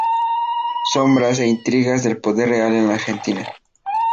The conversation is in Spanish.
Sombras e intrigas del poder real en la Argentina".